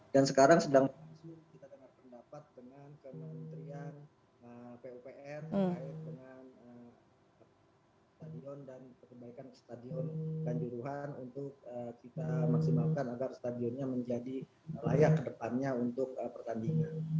dan sekarang sedang kita mendengarkan pendapat dari kementerian pupr terkait dengan stadion dan kebaikan stadion kanjuruhan untuk kita maksimalkan agar stadionnya menjadi layak ke depannya untuk pertandingan